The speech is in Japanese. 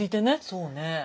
そうね。